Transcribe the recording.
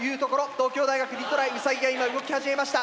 東京大学リトライウサギが今動き始めました。